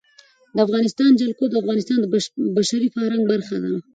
د افغانستان جلکو د افغانستان د بشري فرهنګ برخه ده.